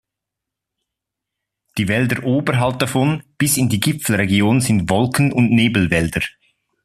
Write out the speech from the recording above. Die Wälder oberhalb davon bis in die Gipfelregion sind Wolken- und Nebelwälder.